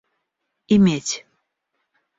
иметь